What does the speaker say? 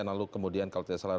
lalu kemudian kalau tidak salah